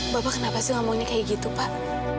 bapak kenapa sih ngomong ini kayak gitu pak